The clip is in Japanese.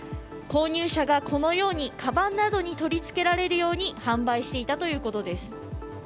購入者がこのようにかばんなどに取り付けられるように販売していたということです。